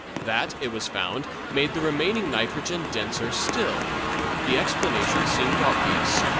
That, it was found, made the remaining nitrogen denser still. The explanation then seemed obvious.